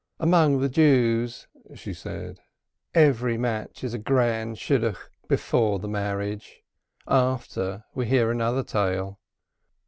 "Among the Jews," she said, "every match is a grand Shidduch before the marriage; after, we hear another tale."